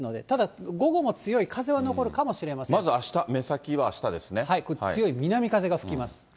ただ、午後も強い風は残るかもしまずあした、目先はあしたで強い南風が吹きます。